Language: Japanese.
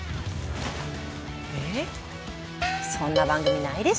えそんな番組ないでしょ。